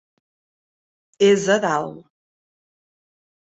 És a dalt.